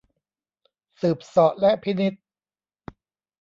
สืบเสาะและพินิจ